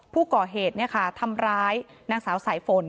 ผู้ก่อเหตุทำร้ายนางสาวสายฝน